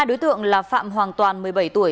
hai đối tượng là phạm hoàng toàn một mươi bảy tuổi